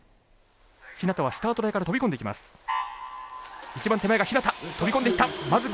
日向はスタート台から飛び込んでいきます。